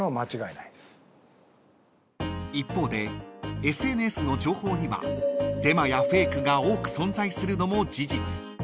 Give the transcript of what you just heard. ［一方でＳＮＳの情報にはデマやフェイクが多く存在するのも事実］